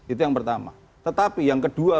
itu yang pertama tetapi yang kedua